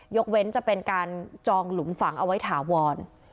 ยกเว้นจะเป็นการจองหลุมฝังเอาไว้ถาวร